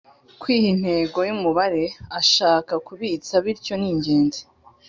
kwiha intego y’umubare ashaka kubitsa bityo ni ingenzi